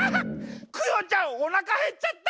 クヨちゃんおなかへっちゃった！